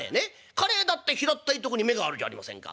かれいだって平ったいとこに目があるじゃありませんか。